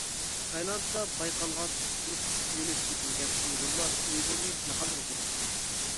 تايلاندتا بايقالغان، تۇتۇلۇپ ئېلىپ كېتىلگەن ئۇيغۇرلار ئۇيغۇرنى جاھانغا تونۇتتى.